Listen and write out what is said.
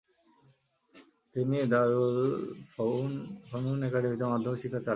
তিনি দার-ওল-ফনউন একাডেমিতে মাধ্যমিক শিক্ষা চালিয়ে যান।